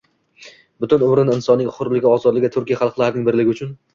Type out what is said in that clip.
Butun umrini insonning hurligi, ozodligi, turkiy xalqlarning birligi uchun